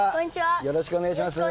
よろしくお願いします。